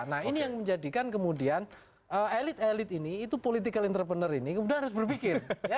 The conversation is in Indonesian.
nah ini yang menjadikan kemudian elit elit ini itu political entrepreneur ini kemudian harus berpikir